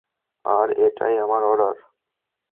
আর এটাই আমার অর্ডার।